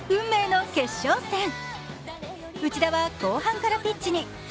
内田は後半からピッチに。